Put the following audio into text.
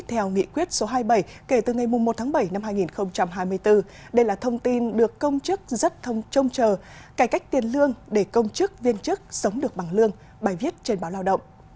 theo nghị quyết số hai mươi bảy kể từ ngày một tháng bảy năm hai nghìn hai mươi bốn đây là thông tin được công chức rất thông trông chờ cải cách tiền lương để công chức viên chức sống được bằng lương bài viết trên báo lao động